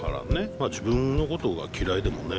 まあ自分のことが嫌いでもね